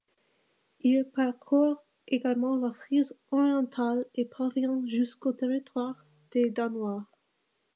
Il parcourt également la Frise orientale et parvient jusqu'au territoire des Danois.